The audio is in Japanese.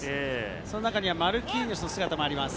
その中にはマルキーニョスの姿もあります。